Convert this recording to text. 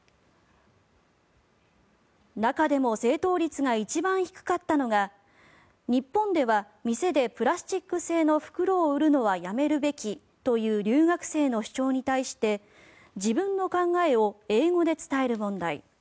中でも正答率が一番低かったのが日本では店でプラスチック製の袋を売るのはやめるべきという留学生の主張に対して自分の考えを英語で伝える問題。